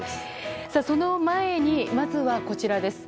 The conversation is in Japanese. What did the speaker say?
その前に、まずはこちらです。